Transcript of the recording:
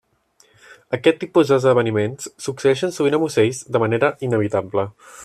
Aquest tipus d'esdeveniments succeeixen sovint amb ocells de manera inevitable.